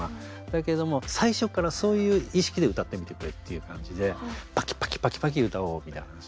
だけども最初からそういう意識で歌ってみてくれっていう感じでパキパキパキパキ歌おうみたいな感じ。